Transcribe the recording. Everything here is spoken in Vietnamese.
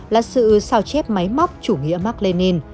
là sự sao chép máy móc chủ nghĩa mark lenin